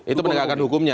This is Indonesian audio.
itu menegakkan hukumnya